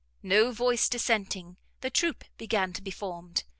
No voice dissenting, the troop began to be formed.